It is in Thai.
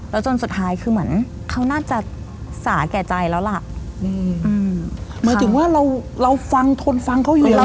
แล้วจนสุดท้ายคือเหมือนเขาน่าจะสาแก่ใจแล้วล่ะอืมหมายถึงว่าเราเราฟังทนฟังเขาอยู่แล้ว